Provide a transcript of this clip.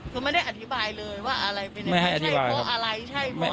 คือไม่ได้อธิบายเลยว่าอะไรเป็น